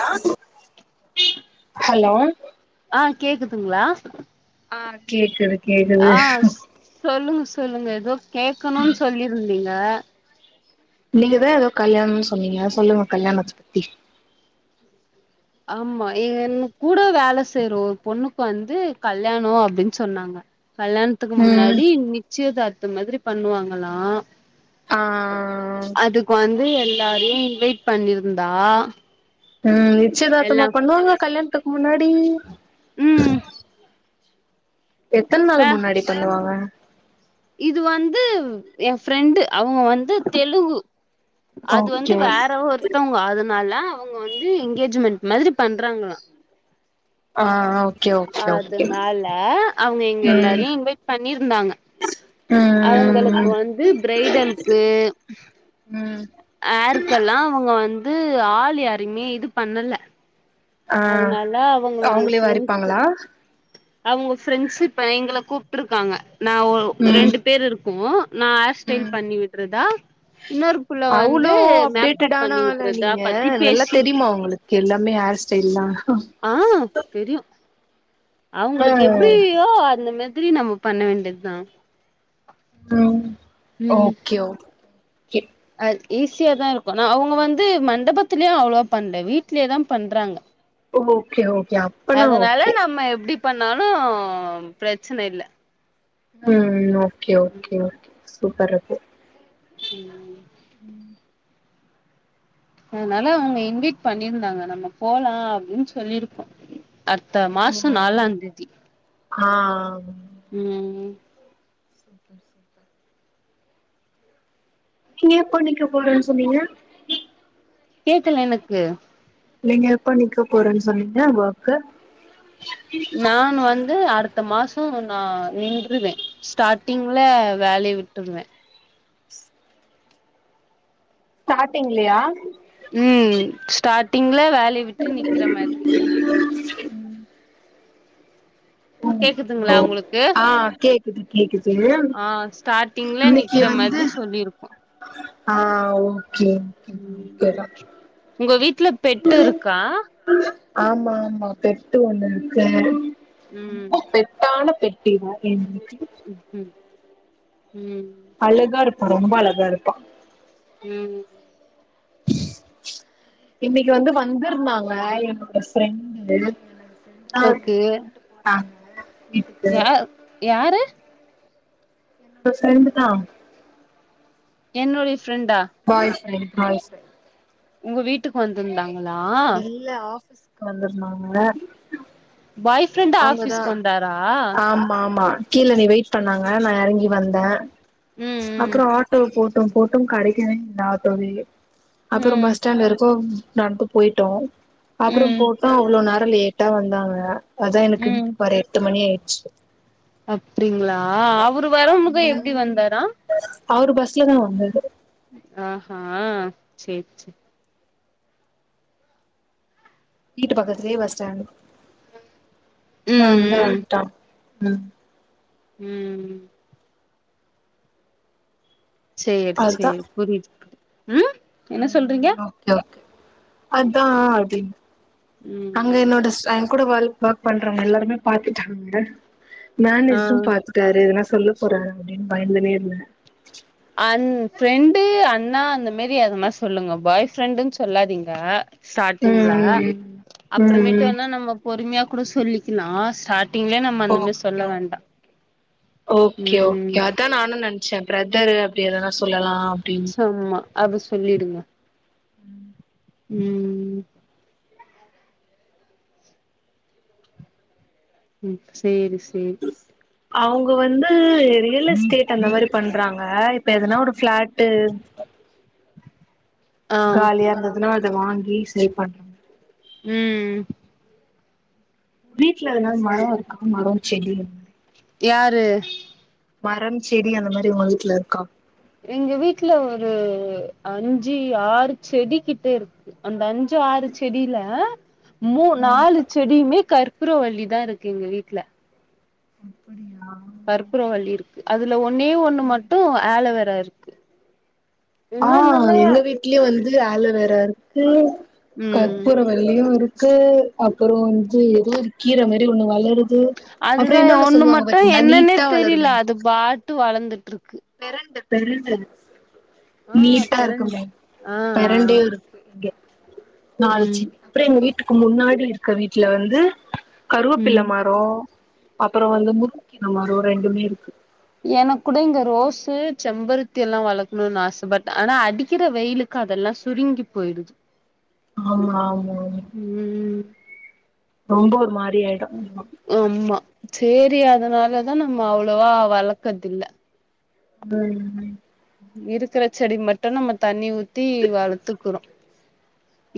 [inaudible] hello ஆ கேக்குதுங்களா ஆஹ் கேக்குது கேக்குது ஆஹ் சொல்லுங் சொல்லுங்க எதோ கேட்கணும்ன்னு சொல்லியிருந்தீங்க நீங்கதான் ஏதோ கல்யாணம்னு சொன்னீங்க சொல்லுங்க கல்யாணத்தை பத்தி ஆமா என் கூட வேலை செய்யற ஒரு பொண்ணுக்கு வந்து கல்யாணம் அப்படின்னு சொன்னாங்க கல்யாணத்துக்கு ம் முன்னாடி நிச்சயதார்த் இந்த மாதிரி பண்ணுவாங்களா ஆ அதுக்கு வந்து எல் எல்லாரையும் இன்வைட் பண்ணிருந்தா உஹம் எல்லா நிச்சயதார்த்தமா பண்ணுவாங்க கல்யாணத்துக்கு முன்னாடி உம் எத்தனை நாள் முன்னாடி பண்ணுவாங்க கும் இது வந்து என் ஃப்ரெண்டு அவங்க வந்து தெலுங்கு அது வந்து ஓகே வேற ஒருத்தங்க அதனால அவங்க வந்து என்ங்கேஜ்மெண்ட் மாதிரி பண்றாங்களா ஆஹ ஆஹா அதனால அவங்க எங்க ம் எல்லாரையும் இன்வைட் பண்ணிருந்தாங்க ம் அவங்களுக்கு வந்து பிரைடலுக்கு ம் ஹார்க்கெல்லாம் அவங்க வந்து ஆள் யாரமே இது பண்ணல ஆஹ் அதனால அவங்களுடைய அவங்களே ஃப்ரெண்ட்ஸ் வாருப்பாங்களா அவங்க ஃப்ரெண்ட்ஸ் இப்ப எங்கள கூப்பிட்டு இருக்காங்க நான் ஒரு ம் ரெண்டு பேர் இருக்கு உம்ஆ நான் ஹேர் ஸ்டைல் பண்ணி விடுறதா அவளோ மேக்கப் அப்டேட்டான பண்ணி ஆள விட்றதா நீங்க பத்தி நல்லா தெரியுமா உங்களுக்கு எல்லாமே ஹேர் ஸ்டைல் ஆஹ் தெரியும் அவங்களுக்கு ம் எப்படியோ அந்த மெ நம்ம பண்ண வேண்டியது தான் ஹம் ஓகே ஒ கே அ ஈஸியா தான் இருக்கும் நான் அவங்க வந்து மண்டபத்தலிலயே அவ்வளவா பண்றல வீட்லயேதான் பண்றாங்க ஓகே ஓகே அப்பனா ஓகே பண்ணாலும் பிரச்சனை இல்ல உம் ஓகே ஓகே ஓகே சூப்பரு கும் உம் அதனால அவங்க இன்வைட் பண்ணியிருந்தாங்க நம்ம போலாம் அப்படின்னு சொல்லிருக்கோம் அடுத்த மாசம் நாலாம் தேதி ஆ ம் உம் சூப்பர் சூப்பர் நீங்க எப்ப நீக்க போறன்னு சொன்னீங்க கேக்கல எனக்கு நீங்க எப்ப நிக்க போறேன்னு சொன்னீங்க ஒர்க்க நான் வந்து அடுத் த்த மாசம் நான் நின்றுவேன் ஸ்டார்ட்டிங்ல வேலய விட்டுருவேன் ஸ்டார்டிங்லையா உம் ஸ்டார்ட்டிங்ல வேலையை விட்டு நிக்கிற மாதிரி உம் கேக்குதுங்களா உங்களுக்கு [unintelligible] ஆஹ் கேக்குது கேக்குது ஆ ஸ்டார்டிங்ல இன்னிக்கு நிக்கிற வந்து மாதிரி சொல்லிருக்கோ ஹ ம் உங்க வீட் வீடல பெட்டு இருக்கா ஆமா ஆமா பெட்டு ஒண்ணு இருக்கு ம் பெட்டான [unintelligible] உம் உம் அலகா இரு ரொம்ப அழகா இருப்பான் உம் இன்னைக்கு வந்து வந்துருந்தாங்க என்னோட ஃப்ரெண்டு ஓகே ஆ யா யாரு இப்போ சேந்துட்டா என்நோடி விஷ் பாய் பிரின்ட் ஆ சார் உங்க வீட்டுக்கு வந்திருந்தாக இல்ல ஆஃப் வந்துருந்தாங்க பாய் ஃப்ரெண்ட் ஆபீஸ்க்கு வந்தாரா ஆமா ஆமா கீழ நீ வெயிட் பண்ணாங்க நான் இறங்கி வந்தேன் ம் அப்புறம் ஆட்டோ போட் [unintelligible] போட்டும் கடைக்கவே ந தவே அப்புறம் ம் பஸ் ஸ்டாண்ட்ல இருக்கும் நான்கு போயிட்டோம் அப்புறம் ம் ம் போட்டோ அவ்வளோ ந லேட்டா வந்தாங்க அதான் எனக்கு ம் வீட்டுக்கு வற எட்டு மணி ஆயி சித் அப்டிங்களா அவரு வரமுக எப்டி வந்தாரா அவரு பஸ்ல தான் வந்தரு ஆஹ்ஹ் சேர் சே வீட்டு பக்கத்துலயே பஸ் ஸ்டாண்ட் நாதா ம் ஆடேட்டா உம் உம் சேரி அதுதா சேரி புரியுது ம் என்ன சொல்றீங்க அதான் அப்டினு அங்க ம் எண்நோட சய் கூட ஒர்க் நோட்பண்றங்க எல்லாருமே பாத்துட்டாங்க நான் ஆ நெஜும் பாத்துட்டாருனா சொல்ல போறே அப்படின் பயந்துனே இருந்தே அன் ஃப்ரெண்டு அண்ணா அந்த மேரி அதுமாரி சொல்லுங்க பாய் ஃப்ரெண்டுன்னு சொல்லாதீங்க ஸ்டார்டிங்ல ம் ம் ம் ம் அப்றமேட்டூ ம் னா நம்ம பொறுமையா கூட சொல்லிகிலா ஸ்டாட் ஒக் ஒகே ஒகே ம் ஒகே அதான் நானும் நனச் சே பிரதரு அப்டிஎதனா சொல்லலாம் சும்ம அப்டி சொல்லிடுங்க உம் உம் ம் சேரி சே ம் அவங்க வந்து த ஸ்டேட் அந்த மாரி பண்றாங் ஆஹ இப்ப எதுன உடுட் பிளாட்டு ஆ காலியானது இதுநால் இத வாங்கி சே பண்ண உஹம் வீட்ல இனாது மரம் இருகா மரம் செடி யாரு மரம் செடி அந்த மாரி உங்க வீட்டுல இருக்கா எங்க வீட்டுல ஒரு அஞ்சு ஆறு செடி கிட்டயிருக்கு அந்த அஞ்சு ஆறு செடியில மூ ம் நாலு செடியுமே கற் பூரவள்ளிதாயிருக்கு எங்க வீட்டுல அப்டியா கற்பூறவள்ளியிருக்கு அதுல ஒன்னே ஒண்ணு மட்டோம் ஆலோவேராயிருக்கு ஆஹ் எங்க வீட்லயே வந் து ஆலோவேராயிருக்கு ம் கற்பூரவள்ளியோயிருக்கு சே அப்புறோ வந்து எதோ ஒரு கீர மாரி செடி ஒன்னு வளருது அப்புறோ அதுதா இன்னொன்னு ஒண்ணு சொல்லுவாங்க மட்டும் பாத்தீங்களா என்னன்னே நீட்டா தெரியில அது பாட்டு வளர்ந்து வெரண்டு தருசென்ஸ் ஆ பெரண்ட நீட்டாயிருக்குமே ஆ ஆ பரண்டே இருக்கு ம் நாளாச்சு அப்பறோ எங்க வீட் டுக்கு முன்னாடியிருக்க வீட்டுல வந்து கருவேப்புள்ள ம் மரோ அப்பறோ வந்து முருங்கீர மரோ ரெண்டுமேயிருக்கு எனக்கூட இங்க ரோஸு செம்பருத்தியெல்லா வளர்க்கணோம்னு ஆச பட் ஆனா அடிக்குற வெயிலுக்கு அதெல்லா சுருங்கி போயிடுது ஆமாமா ம் ரொம்ப ஒரு மாரி ஆயிடோ அம்மா சேரி அதனாலதா நம்ம அவ்ளோவா வளர்க்குறதுயில்ல உம் உம் இருக்குற செடி மட்டோ நம்ம தண்ணி ஊத் தி வளர்த்துக் குரோ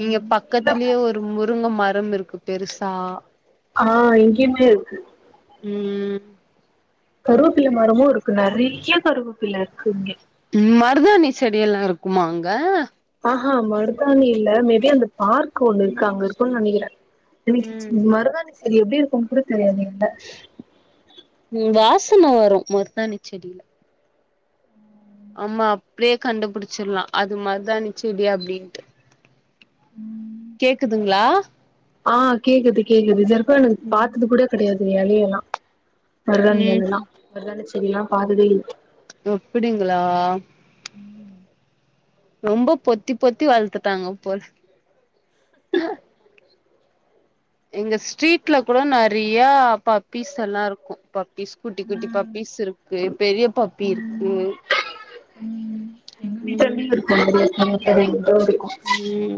இங்க இங்கெல்லா பக்கத்துலயே பெட்டு ஒரு முருங்க ம ரம்யிருக்கு பெருசா ஆ இங்கயுமேயிருக்கு ம் கருவேப்பில்ல மரமோயிருக்கு நெறைய கருவேப்பில்லயிருக்கு இங்க ம் மருதாணி செடியெல்லா இருக்குமா அங்க ஆஹா மருதாணியில்ல மேபி அந்த பார்க் ஒண்ணு இருக்கு அங்க இருக்கோன்னு ம் நெனைக்கிறே [unintelligible] மருதாணி செடி எப்டி தம்புடே தெரியாதீங்கள த்தமா வரும் மருதானி செடியில ஆமா அப்டியே கண்டுபிடிச்சிடலாம் அது மறுதானி செடியா அப்டின்ட்டு ம் கேக்குதுங்களா ஆஹ் கேக்குது கேக்குது சிப்ப எனக்கு ம் பார்த்தது கூட கிடையாது ரியலியெல்லாம் ம் வரதானல்லாம் வ சரியா பாததே ல்ல ஒ அப்டிங்களா ரொம்ப பொத்தி பொத்தி வளத்துட்டாங்கப் [inaudible] ஆஹ் எங்க ஸ்ட்ரீட்ல கூட நிறைய பாபீஸ் எல்லாம் இருக்கும் பாப்பிஸ் குட்டி குட்டி ம் பாப்பீஸ் இருக்கு பெரிய பாப்பி இருக்கு ம் உம் செரிங்க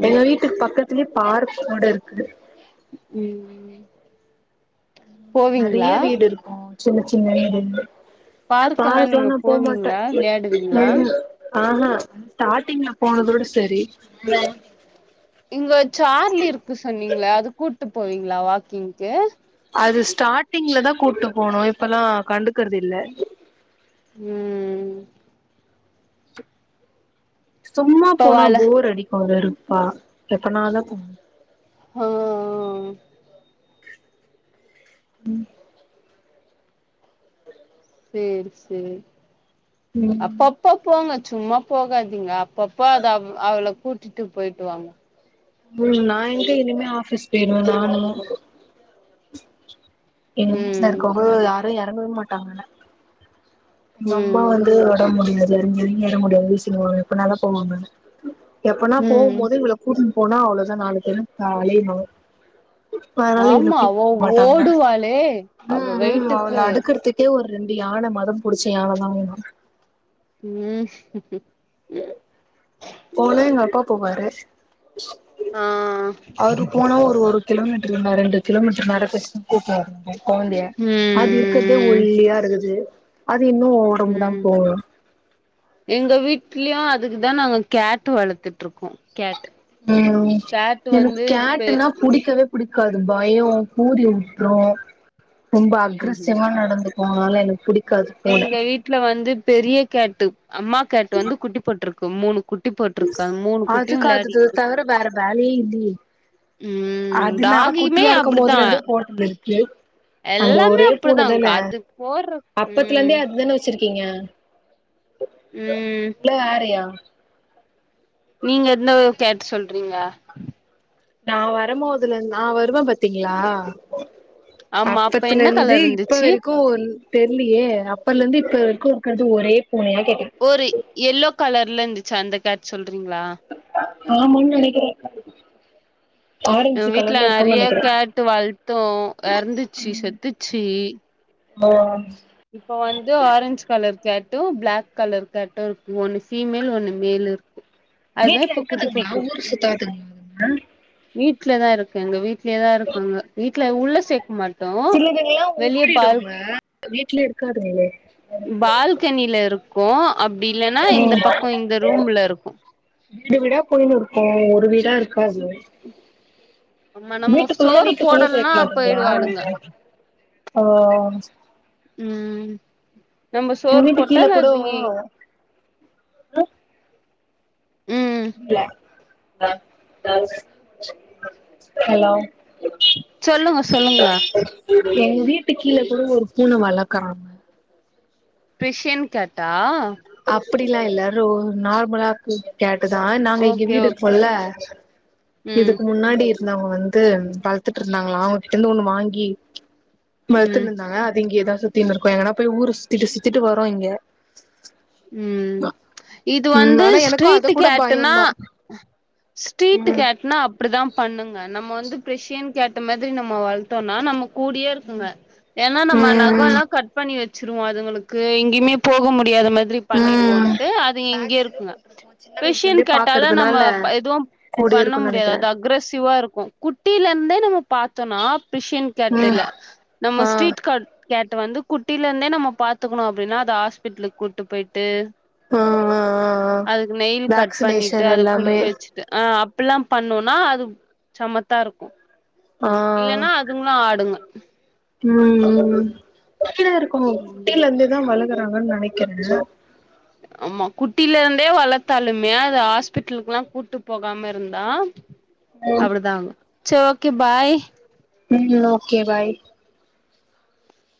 எங்க வீட்டுக்கு பக்கத்து [unintelligible] பார்க் கூட இருக்கு உம் உம் நிறைய வீடு இருக்கும் சின்ன சின்ன வீடு பார்க்கே எல்லாம் பார்க்லா நீங்க நா போவீங்களா விளையாடுவீங்களா ஆஹஹா ஸ்டார்டிங்ல போனதோட சரி [unintelligible] இங்க சார்லி இருக்கு சொன்னீங்கள அது கூட்டு போவீங்களா வாக்கிங் க்கு அது ஸ்டார்டிங்ல தான் கூப்பிட்டு போனும் இப்பல்லாம் கண்டுக்கறது இல்ல ம் சும்மா போனா பவால போர் அடிக்கும்‌ இல்ல பா எப்ன தான் போ [inaudible] உம் செரி செரி அப்ப ம் அப்ப போங்க சும்மா போகாதீங்க ப்பப்ப அத அவ அவள கூட் விட்டுட்டு போயிட்டு வாங்க உம் நான் எங்க இனிமே ஆபீஸ் போயிடும் நானும் ச்சும் எங்க வீட்டுல ம் இருக்கோங்க ய இறங்கவே மாட்டாங்க அம்மா ம் வந்து உடம்பு முடியது எறங்கி எறங்கி எற முடியாது வீசாங்க இப்ப நாலா போவாங்க எப்பனா போவும் ம் போது இவ்வள கூட் போனா அவ்வளோதான் நாலு பேரும் காலும் ஆமா அவ ஓடுவாளே அவ ம் ம் அவள வெயிட்டுக்கு அடுக்கறதுக்கே ஒரு ரெண்டு யான மதம் புடிச்சது நால தான் வேணும் உம் உம் போன எங்கப்பா போவாரு ஆ அவரு போனா ஒரு ஒரு கிலோமீட்டர் ரெண்டு கிலோமீட்டர் நடக்க வச்சு கூட்ருவரனும் போலைகயா அது இருக்கறதே ம் ஒல்லியா இருக்குது இன்னும் உடம்புதான் ம் போ இல்லய அதுக்குதான் நாங்க கேட் வளர்த்துட்டு இருக்கோம் உஹம் எனக்கு பெ கேட்னா புடிக்கவே புடிக்காது பயம் கிறி விட்டுரும் ரொம்ப அக்ரசிவா நடந்து ஆனால எனக் புடி எங்க வீட்டுல வந்து பெரிய கேட்டு அம்மா கேட்டு வந்து குட்டி போட்ருக்கு மூணு குட் அதுக்கு அது தவிர வேற வேலையே இல்லையே ம் அதுனால டாகியுமே குட்டியா இருக்கும் அப்டித்தா போதுலய்ருந்தே போட்டது உம் எல்லாமே அப்படிதான் உன்க அது போடுற உம் எப்டிஇருக்கீங்க ம் இல்லாஅறியா நீங்க என்ன ஒர் கேட்டு சொல்றீங்க நான் வரமோ அதுல நான் வருவேன் பாத்தீங்களா ஆமா அப்ப அப்பத்துல என்ன இருந்து கலர் இப்ப இருந்துச்சு வரைக்கும் தெரியலையே அப்பல இருந்து இப்ப இருக்க இருக்கிறது ஒரே பூனையா கேட்டே ஒரு எல்லோ கலர்லேந்து சந்தக்கத் சொல்றீங்களா ஆம்முன்னு நினைக்கிறேன் எங்க வீட்டுல நெறைய கேட்டு வள்த்தோம் இறந்துச்சு செத்துச்சு ஓ இப்ப வந்து ஆரஞ்ச் கலர் கேட்டு பிளாக் கலர் கேட்டு ஒன்னு பிமேல் ஒன்னு மேல் இருக் வீட்ல இருக்குதுங்களா ஊரு சுத்தாங்கல்ல வீட்ல தான் இருக்குங்க வீட் வீட்லேதாயிருக்காங்க வீட்டுல உள்ள சேர்க்க மாட்டோம் சிலதுங்கெல்லா வெளிய பால் ஓடிடுங்க வீட்ல இருக்காதுங்ளே பால்கனில இருக் [unintelligible] அப்டி இல்லன்னா இந்த ம் பக்கம் இந்த ரூம்ல இருக்கும் [inaudible] இருக்கும் ஒரு வீடா இருக் காச ஆமா நம்ம வீட்டுக்குள்ள சோறு வீட்டுக்குள்ள போடலன்னா சேர்க்க மாட்டீங்களா போயிடுவாளுங்க ஓம் ம் நம்ம உங்க சோறு வீட்டு போட்டா கீழே கூடோ அதுங்க ஓ ம் பில [inaudible] [inaudible] ஹலோ சொல்லுங்க சொல்லுங்க எங்க வீட்டு கீழ கூட ஒரு பூனை வளர்க்கறாங்க கிரிஷன் கேட்டா அப்டிலாம் இல்லரோ நார்மலா கிட் கேட் அதான் நாங்க இங்க ஓகே வீடு ஓகே இருக்கோம்ல ம் இதுக்கு முன்னாடி இர் அவங்க வந்து வளர்த்திட்டுருதாங்களா இன்னொன்னு வாங்கி ம் வளத்தட்டிருந்தாங்க அது இங்க தான் சுத்தினுருக்கோம் எங்கன்னா போய் ஊரு சுத்திட்டு சுத்திட்டு வரோம் இங்க ம் இது ம் வந்து ஆனா எனக்கு அத ஸ்டீரிட் கூட கேட்டுனா பயந்தா ஸ்டீரிட் ம் கேட்டுனா அப்டிதான் பண்ணுங்க நம்ம வந்து பிரிசியன் கேட் இந்த மாரி நம்ம வளத்தோம்னா நமக் கூடிய இருக்குங்க ஏன்னா நம்ம நகம் ம் எல்லாம் கட் பண்ணி வச் சுர்மாதுங்களுக்கு எங்கயுமே போக முடியாத மாரி ம் பண்ணிடுவோன்ட்டு அது இங்க வேக்சினு இருக்குங்க போட்டிருக்கோ சின்ன வயசுல பிரிசியன் இருந்தே கேட்டால நம்ம பாக்குறதுனால எதுவும் கூடயே பண்ண இருக்குன்னு நெனைக்கிறே முடியாது அக்ரசிவா இருக்கும் குட்டியில இருந்தே நம்ம பார்த்தோனாப் பிரிசியன் கேட் ம் இல்ல நம்ம ஆ ஸ்ட்ரீட் கேட் வந்து குட்டிலேருந்தே நம்ம பாத்துக்கணும் அப்டினா அது ஹாஸ்பிடலுக்கு கூட்டு போய்டு ட்டு [inaudible] அதுக்கு நெயில் கட் பண்ணிட்டு வேக்சினேஷன் எல்லாமே அதக்குளிக்க வச்சுட்டு ஆ அப்பலம்பண்ணுனா அது சமத்தா இருக்கும் ஆ இல்லன்னா அதுங்கலும் ஆடுங்க ம் ம் [inaudible] இருக்கும் குட்டில இருந்து தான் வள ங்கு நினைக்கிறேன் ஆமா குட்டில இருந்தே வளத்தலுமே அது ஹாஸ்பிட்டலுக்கெல்லாம் கூட்டு போகாம இருந்தா அப்டிதான் ஆகும் சோக் கே பாய் ம் ஓகே பாய்